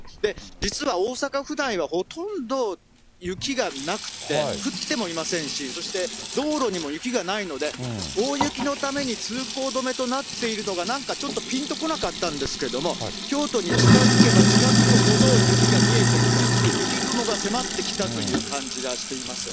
実は大阪府内はほとんど雪がなくて、降ってもいませんし、そして道路にも雪がないので、大雪のために通行止めとなっているのがなんかちょっとぴんとこなかったんですけれども、京都に近づけば近づくほど雪が見えてきた、そして雪雲が迫ってきたという感じがしています。